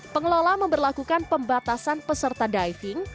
pengelola memperlakukan pembatasan peserta diving